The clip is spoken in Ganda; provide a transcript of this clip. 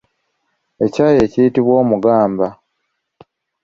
Ekyayi ekiyitibwa omugamba.